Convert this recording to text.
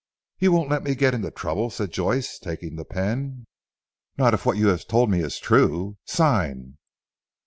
"You won't let me get into trouble?" said Joyce taking the pen. "Not if what you have told me is true. Sign."